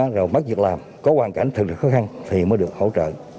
rồi mất việc làm có hoàn cảnh thực sự khó khăn thì mới được hỗ trợ